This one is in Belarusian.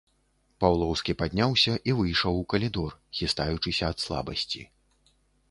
Паўлоўскі падняўся і выйшаў у калідор, хістаючыся ад слабасці.